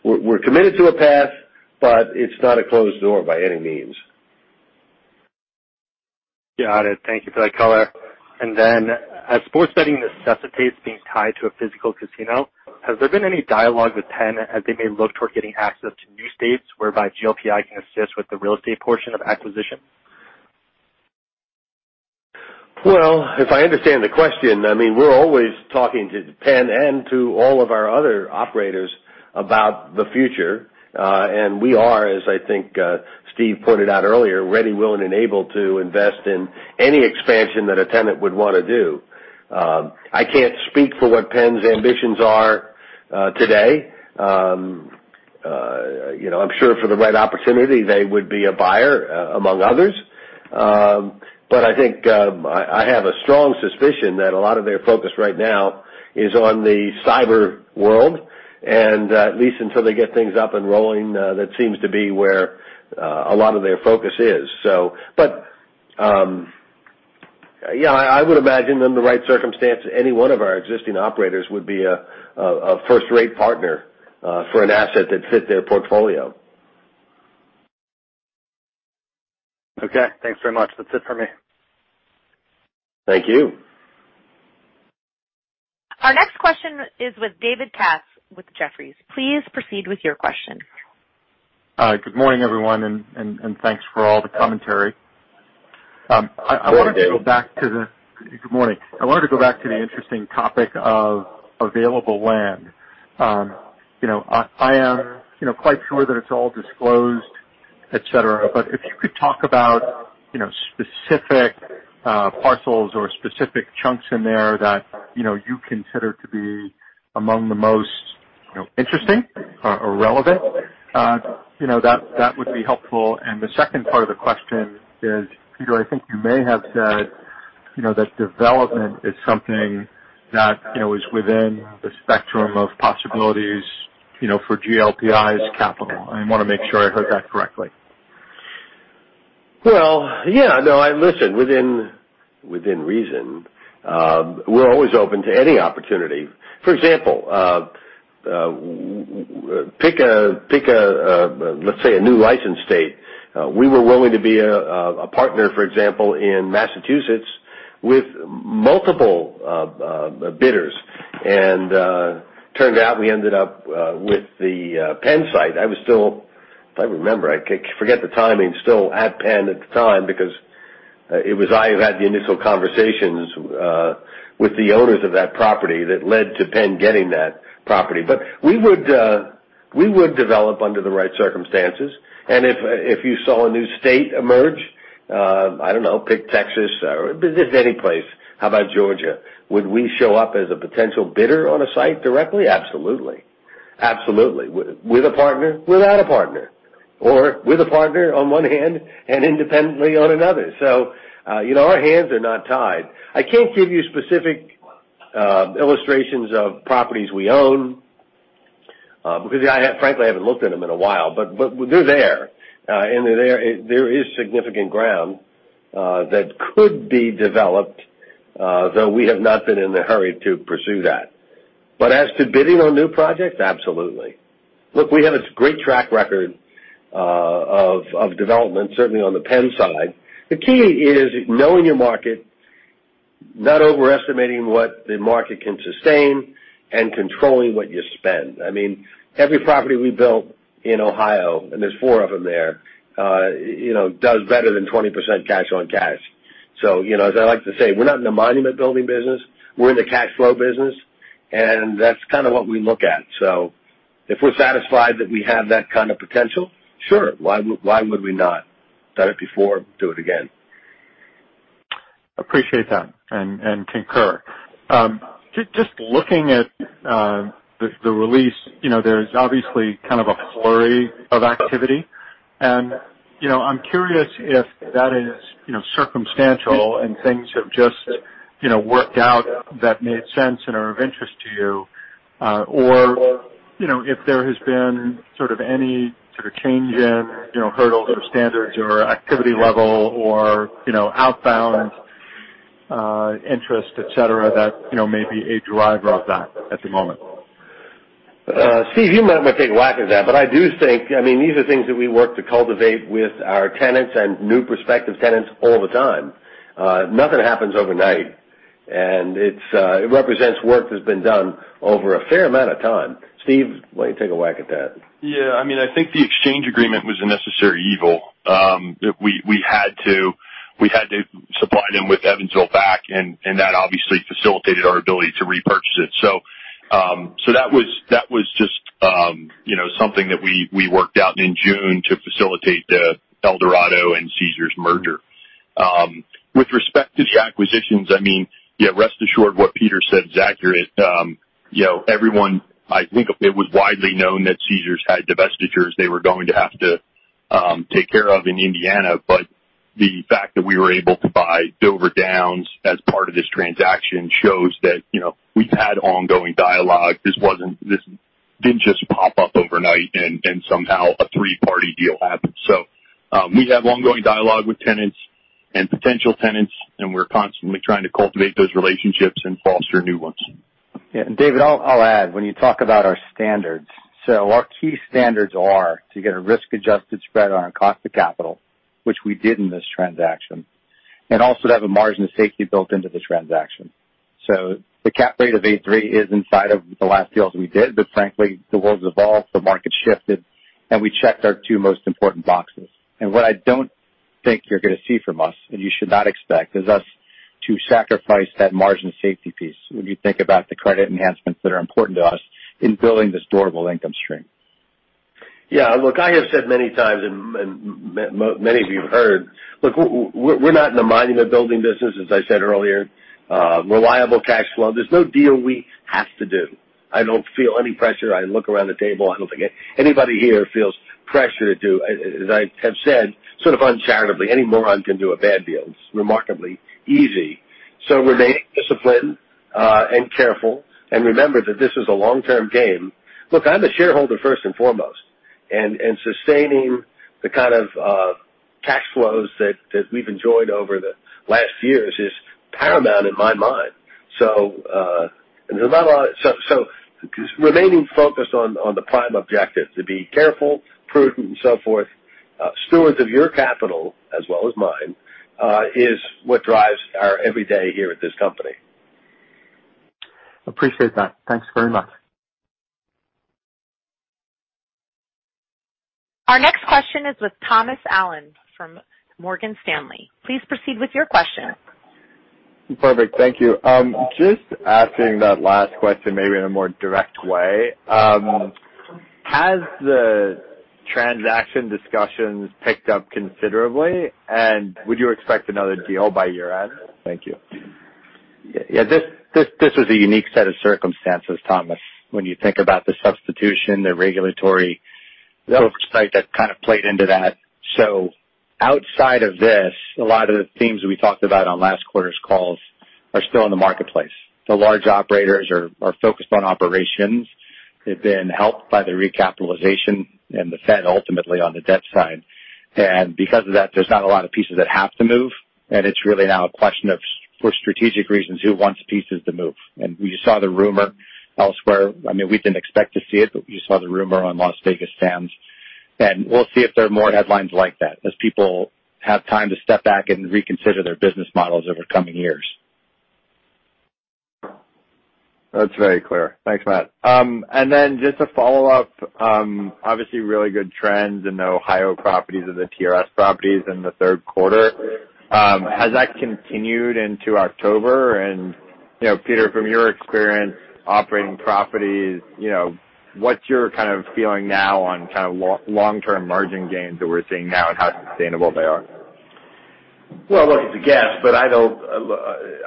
We're committed to a path, but it's not a closed door by any means. Got it. Thank you for that color. As sports betting necessitates being tied to a physical casino, has there been any dialogue with PENN as they may look toward getting access to new states whereby GLPI can assist with the real estate portion of acquisition? Well, if I understand the question, we're always talking to PENN and to all of our other operators about the future. We are, as I think Steve pointed out earlier, ready, willing, and able to invest in any expansion that a tenant would want to do. I can't speak for what PENN's ambitions are today. I'm sure for the right opportunity, they would be a buyer among others. I think I have a strong suspicion that a lot of their focus right now is on the cyber world. At least until they get things up and rolling that seems to be where a lot of their focus is. Yeah, I would imagine in the right circumstance, any one of our existing operators would be a first-rate partner for an asset that fit their portfolio. Okay. Thanks very much. That's it for me. Thank you. Our next question is with David Katz with Jefferies. Please proceed with your question. Hi. Good morning, everyone, and thanks for all the commentary. Good morning, David. Good morning. I wanted to go back to the interesting topic of available land. I am quite sure that it's all disclosed, et cetera, but if you could talk about specific parcels or specific chunks in there that you consider to be among the most interesting or relevant, that would be helpful. The second part of the question is, Peter, I think you may have said that development is something that is within the spectrum of possibilities for GLPI's capital. I want to make sure I heard that correctly. Well, yeah. No, listen, within reason, we're always open to any opportunity. For example, pick, let's say, a new license state. We were willing to be a partner, for example, in Massachusetts with multiple bidders. Turned out we ended up with the PENN site. If I remember, I forget the timing, still at PENN at the time because it was I who had the initial conversations with the owners of that property that led to PENN getting that property. We would develop under the right circumstances. If you saw a new state emerge, I don't know, pick Texas or any place, how about Georgia, would we show up as a potential bidder on a site directly? Absolutely. With a partner, without a partner, with a partner on one hand and independently on another. Our hands are not tied. I can't give you specific illustrations of properties we own because, frankly, I haven't looked at them in a while. They're there, and there is significant ground that could be developed, though we have not been in a hurry to pursue that. As to bidding on new projects, absolutely. Look, we have a great track record of development, certainly on the PENN side. The key is knowing your market, not overestimating what the market can sustain, and controlling what you spend. Every property we built in Ohio, and there's four of them there, does better than 20% cash on cash. As I like to say, we're not in the monument building business. We're in the cash flow business, and that's kind of what we look at. If we're satisfied that we have that kind of potential, sure. Why would we not? Done it before, do it again. Appreciate that and concur. Just looking at the release, there's obviously kind of a flurry of activity and I'm curious if that is circumstantial and things have just worked out that made sense and are of interest to you, or if there has been any sort of change in hurdles or standards or activity level or outbound interest, et cetera, that may be a driver of that at the moment. Steve, you might want to take a whack at that, but I do think these are things that we work to cultivate with our tenants and new prospective tenants all the time. Nothing happens overnight, and it represents work that's been done over a fair amount of time. Steve, why don't you take a whack at that? Yeah. I think the exchange agreement was a necessary evil. We had to supply them with Evansville back, and that obviously facilitated our ability to repurchase it. That was just something that we worked out in June to facilitate the Eldorado and Caesars merger. With respect to the acquisitions, rest assured what Peter said is accurate. It was widely known that Caesars had divestitures they were going to have to take care of in Indiana. The fact that we were able to buy Dover Downs as part of this transaction shows that we've had ongoing dialogue. This didn't just pop up overnight and somehow a three-party deal happened. We have ongoing dialogue with tenants and potential tenants, and we're constantly trying to cultivate those relationships and foster new ones. Yeah. David, I'll add, when you talk about our standards. Our key standards are to get a risk-adjusted spread on our cost of capital, which we did in this transaction, and also to have a margin of safety built into the transaction. The cap rate of 8.3% is inside of the last deals we did. Frankly, the world's evolved, the market's shifted, and we checked our two most important boxes. What I don't think you're going to see from us, and you should not expect, is us to sacrifice that margin of safety piece when you think about the credit enhancements that are important to us in building this durable income stream. Yeah, look, I have said many times, and many of you have heard, we're not in the monument building business, as I said earlier. Reliable cash flow. There's no deal we have to do. I don't feel any pressure. I look around the table, I don't think anybody here feels pressure to do. As I have said, sort of uncharitably, any moron can do a bad deal. It's remarkably easy. Remaining disciplined and careful, and remember that this is a long-term game. Look, I'm a shareholder first and foremost. Sustaining the kind of cash flows that we've enjoyed over the last years is paramount in my mind. Remaining focused on the prime objective, to be careful, prudent, and so forth, stewards of your capital as well as mine, is what drives our every day here at this company. Appreciate that. Thanks very much. Our next question is with Thomas Allen from Morgan Stanley. Please proceed with your question. Perfect. Thank you. Just asking that last question maybe in a more direct way. Has the transaction discussions picked up considerably, and would you expect another deal by year-end? Thank you. Yeah. This was a unique set of circumstances, Thomas, when you think about the substitution. Yep. Oversight that kind of played into that. Outside of this, a lot of the themes we talked about on last quarter's calls are still in the marketplace. The large operators are focused on operations. They've been helped by the recapitalization and the Fed ultimately on the debt side. Because of that, there's not a lot of pieces that have to move, and it's really now a question of, for strategic reasons, who wants pieces to move. We saw the rumor elsewhere. We didn't expect to see it, but we saw the rumor on Las Vegas Sands. We'll see if there are more headlines like that as people have time to step back and reconsider their business models over coming years. That's very clear. Thanks, Matt. Just to follow up, obviously really good trends in the Ohio properties and the TRS properties in the third quarter. Has that continued into October? Peter, from your experience operating properties, what's your feeling now on long-term margin gains that we're seeing now and how sustainable they are? Well, look, it's a guess.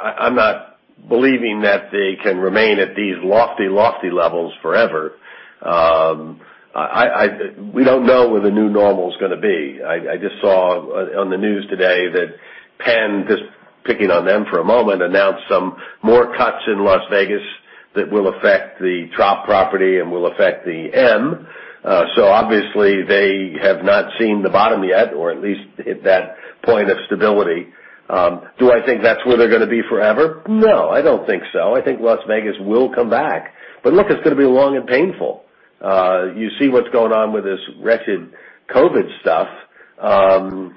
I'm not believing that they can remain at these lofty levels forever. We don't know where the new normal's going to be. I just saw on the news today that PENN, just picking on them for a moment, announced some more cuts in Las Vegas that will affect the Trop property and will affect the M. Obviously they have not seen the bottom yet or at least hit that point of stability. Do I think that's where they're going to be forever? No, I don't think so. I think Las Vegas will come back. Look, it's going to be long and painful. You see what's going on with this wretched COVID stuff. Who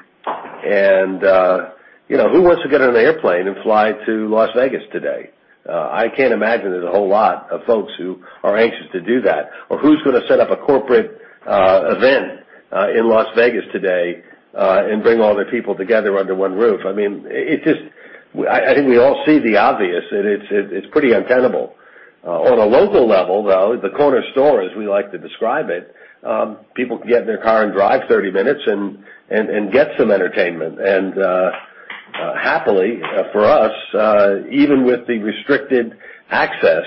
wants to get on an airplane and fly to Las Vegas today? I can't imagine there's a whole lot of folks who are anxious to do that, or who's going to set up a corporate event in Las Vegas today and bring all their people together under one roof. I think we all see the obvious. It's pretty untenable. On a local level, though, the corner store, as we like to describe it, people can get in their car and drive 30 minutes and get some entertainment. Happily, for us, even with the restricted access,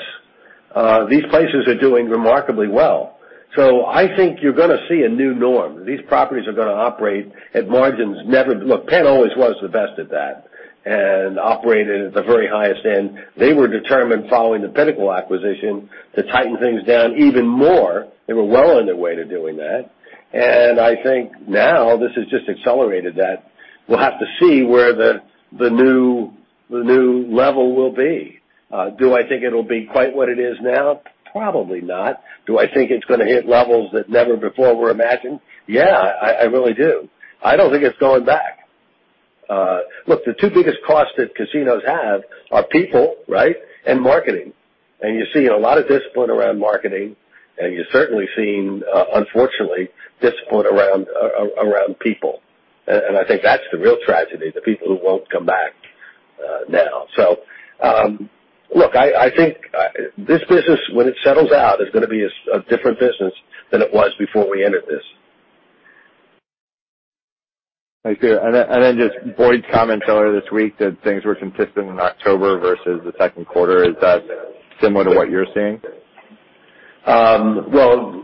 these places are doing remarkably well. I think you're going to see a new norm. These properties are going to operate at margins. Look, PENN always was the best at that and operated at the very highest end. They were determined following the Pinnacle acquisition to tighten things down even more. They were well on their way to doing that. I think now this has just accelerated that. We'll have to see where the new level will be. Do I think it'll be quite what it is now? Probably not. Do I think it's going to hit levels that never before were imagined? Yeah, I really do. I don't think it's going back. Look, the two biggest costs that casinos have are people and marketing. You're seeing a lot of discipline around marketing, and you're certainly seeing, unfortunately, discipline around people. I think that's the real tragedy, the people who won't come back now. Look, I think this business, when it settles out, is going to be a different business than it was before we entered this. Thanks, Peter. Just Boyd comment earlier this week that things were consistent in October versus the second quarter. Is that similar to what you're seeing? Well,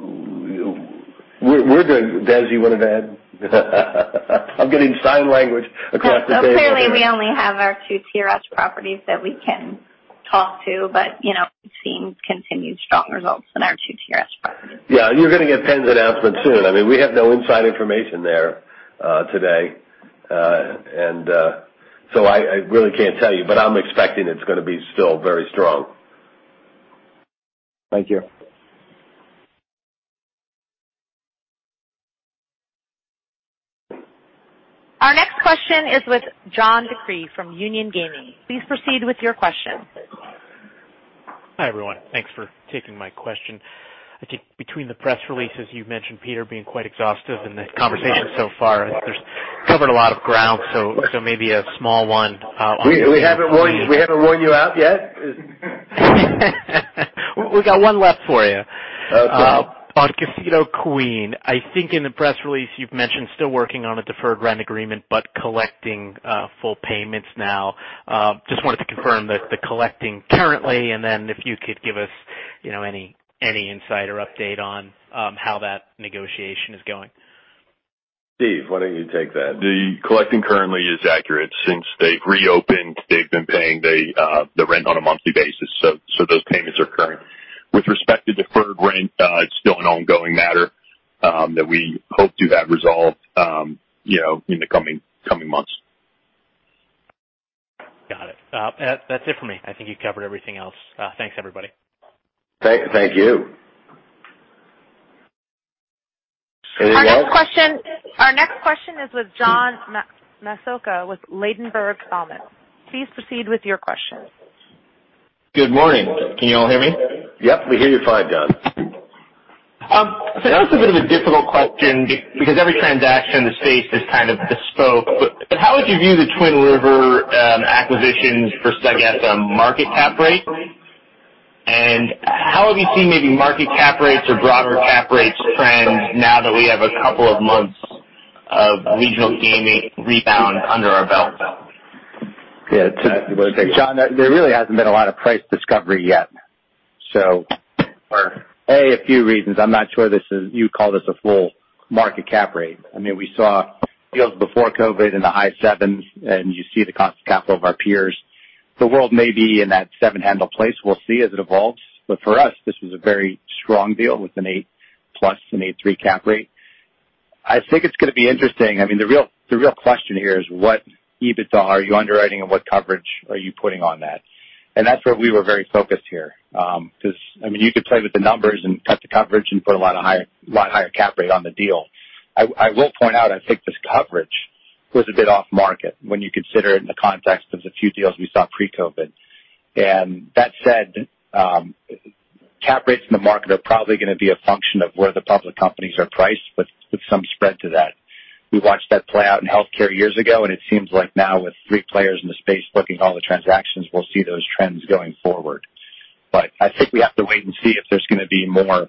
we're good, Des, wouldn't it have? I'm getting sign language across the table here. Clearly, we only have our two TRS properties that we can talk to. We've seen continued strong results in our two TRS properties. Yeah, you're going to get PENN's announcement soon. We have no inside information there today. I really can't tell you, but I'm expecting it's going to be still very strong. Thank you. Our next question is with John DeCree from Union Gaming. Please proceed with your question. Hi, everyone. Thanks for taking my question. I think between the press releases you've mentioned, Peter, being quite exhaustive in the conversation so far, there's covered a lot of ground. We haven't worn you out yet? We got one left for you. Okay. On Casino Queen. I think in the press release you've mentioned still working on a deferred rent agreement, but collecting full payments now. Just wanted to confirm the collecting currently, and then if you could give us any insight or update on how that negotiation is going. Steve, why don't you take that? The collecting currently is accurate. Since they've reopened, they've been paying the rent on a monthly basis. Those payments are current. With respect to deferred rent, it's still an ongoing matter that we hope to have resolved in the coming months. Got it. That is it for me. I think you covered everything else. Thanks, everybody. Thank you. Anyone else? Our next question is with John Massocca with Ladenburg Thalmann. Please proceed with your question. Good morning. Can you all hear me? Yep, we hear you fine, John. I know it's a bit of a difficult question because every transaction in the space is kind of bespoke, how would you view the Twin River acquisition for, I guess, a market cap rate? How have you seen maybe market cap rates or broader cap rates trends now that we have a couple of months of regional gaming rebound under our belt? Yeah. John, there really hasn't been a lot of price discovery yet. For a few reasons, I'm not sure you would call this a full market cap rate. We saw deals before COVID in the high 7%s, and you see the cost of capital of our peers. The world may be in that 7% handle place. We'll see as it evolves. For us, this was a very strong deal with an 8%+, an 8.3% cap rate. I think it's going to be interesting. The real question here is what EBITDA are you underwriting and what coverage are you putting on that? That's where we were very focused here. You could play with the numbers and cut the coverage and put a lot higher cap rate on the deal. I will point out, I think this coverage was a bit off-market when you consider it in the context of the few deals we saw pre-COVID. That said, cap rates in the market are probably going to be a function of where the public companies are priced with some spread to that. We watched that play out in healthcare years ago, and it seems like now with three players in the space booking all the transactions, we'll see those trends going forward. I think we have to wait and see if there's going to be more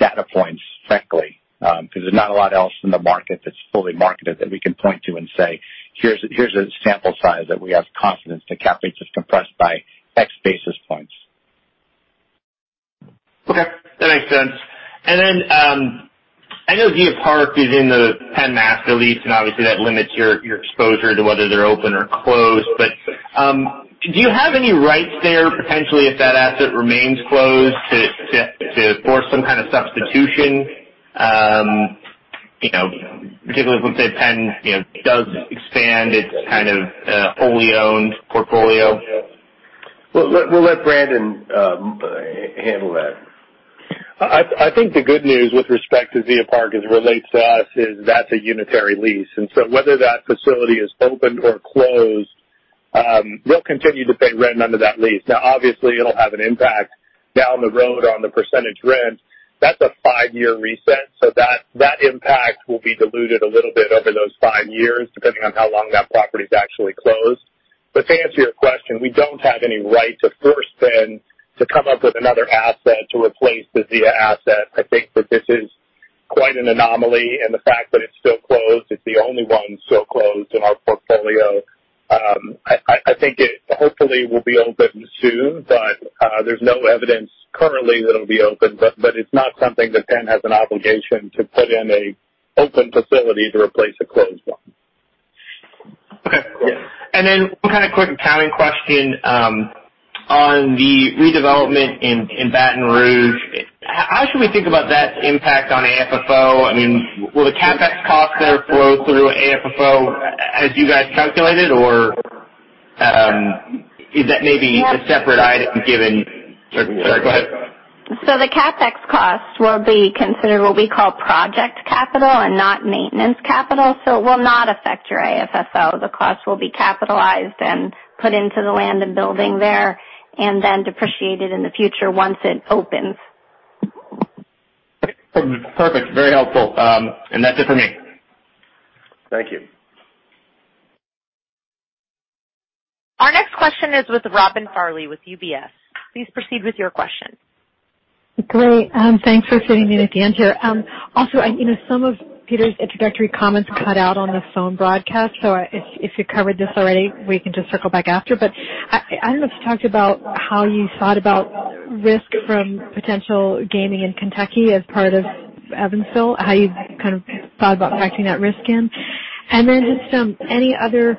data points frankly, because there's not a lot else in the market that's fully marketed that we can point to and say, "Here's a sample size that we have confidence the cap rate is compressed by X basis points. Okay. That makes sense. I know Zia Park is in the PENN Master Lease, and obviously that limits your exposure to whether they're open or closed, but, do you have any rights there potentially if that asset remains closed to force some kind of substitution, particularly if, let's say, PENN does expand its wholly owned portfolio? We'll let Brandon handle that. I think the good news with respect to Zia Park as it relates to us is that's a unitary lease. Whether that facility is opened or closed, we'll continue to pay rent under that lease. Now, obviously, it'll have an impact down the road on the percentage rent. That's a five-year reset, that impact will be diluted a little bit over those five years, depending on how long that property is actually closed. To answer your question, we don't have any right to force PENN to come up with another asset to replace the Zia asset. I think that this is quite an anomaly, and the fact that it's still closed, it's the only one still closed in our portfolio. I think it hopefully will be opened soon, there's no evidence currently that it'll be opened. It's not something that PENN has an obligation to put in an open facility to replace a closed one. Okay. Yeah. One kind of quick accounting question. On the redevelopment in Baton Rouge, how should we think about that impact on AFFO? Will the CapEx cost there flow through AFFO as you guys calculate it, or is that maybe a separate item? Sorry, go ahead. The CapEx costs will be considered what we call project capital and not maintenance capital. It will not affect your AFFO. The cost will be capitalized and put into the land and building there and then depreciated in the future once it opens. Perfect. Very helpful. That's it for me. Thank you. Our next question is with Robin Farley with UBS. Please proceed with your question. Great. Thanks for fitting me in at the end here. Some of Peter's introductory comments cut out on the phone broadcast, so if you covered this already, we can just circle back after. I don't know if you talked about how you thought about risk from potential gaming in Kentucky as part of Evansville, how you thought about pricing that risk in. Just any other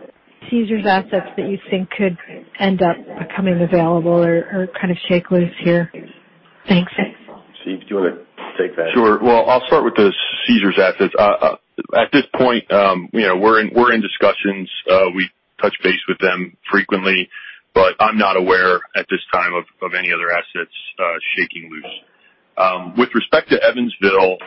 Caesars assets that you think could end up becoming available or shake loose here? Thanks. Steve, do you want to take that? Sure. Well, I'll start with the Caesars assets. At this point, we're in discussions. We touch base with them frequently, but I'm not aware at this time of any other assets shaking loose. With respect to Evansville,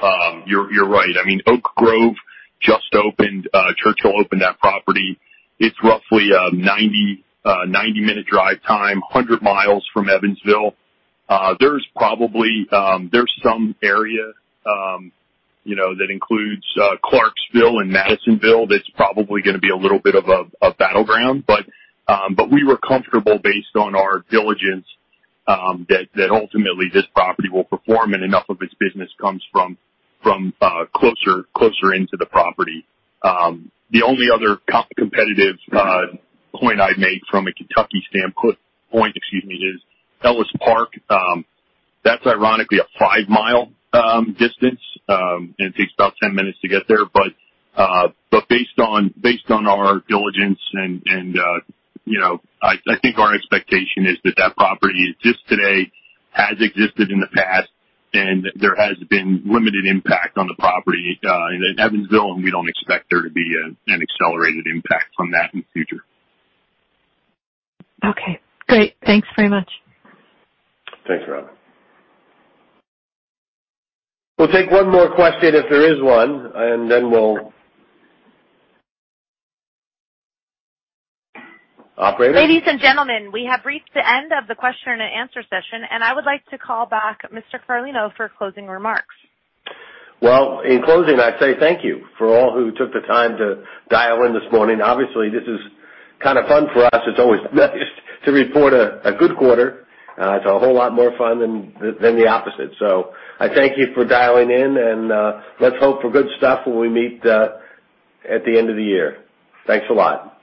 you're right. Oak Grove just opened. Churchill opened that property. It's roughly a 90-minute drive time, 100 mi from Evansville. There's some area that includes Clarksville and Madisonville that's probably going to be a little bit of a battleground. We were comfortable based on our diligence that ultimately this property will perform and enough of its business comes from closer into the property. The only other competitive point I'd make from a Kentucky standpoint is Ellis Park. That's ironically a 5-mi distance, and it takes about 10 minutes to get there. Based on our diligence and I think our expectation is that property exists today, has existed in the past, and there has been limited impact on the property in Evansville, and we don't expect there to be an accelerated impact from that in the future. Okay, great. Thanks very much. Thanks, Robin. We'll take one more question if there is one. Operator? Ladies and gentlemen, we have reached the end of the question and answer session, and I would like to call back Mr. Carlino for closing remarks. Well, in closing, I'd say thank you for all who took the time to dial in this morning. Obviously, this is kind of fun for us. It's always nice to report a good quarter. It's a whole lot more fun than the opposite. I thank you for dialing in, and let's hope for good stuff when we meet at the end of the year. Thanks a lot.